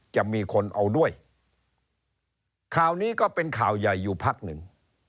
จะมีคนเอาด้วยข่าวนี้ก็เป็นข่าวใหญ่อยู่พักหนึ่ง